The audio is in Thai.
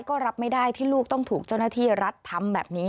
ก็รับไม่ได้ที่ลูกต้องถูกเจ้าหน้าที่รัฐทำแบบนี้